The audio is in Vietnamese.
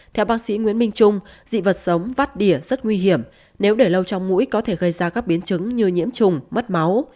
theo bác sĩ nguyễn minh trung dị vật sống vắt đỉa rất nguy hiểm nếu để lâu trong mũi có thể gây ra các biến chứng như nhiễm trùng mất máu